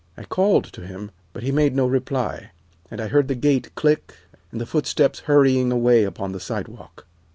I called to him, but he made no reply, and I heard the gate click and the footsteps hurrying away upon the sidewalk.